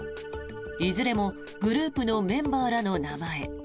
いずれもグループのメンバーらの名前。